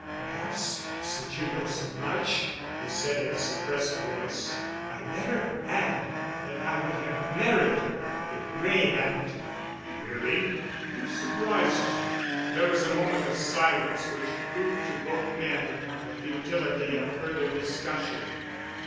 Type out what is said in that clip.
"Perhaps, since you know so much," he said in a suppressed voice, "I had better add that I would have married her if Wray hadn't." "Really? You surprise me." There was a moment of silence which proved to both men the futility of further discussion.